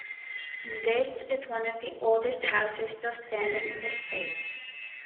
This is one of the oldest houses still standing in the State.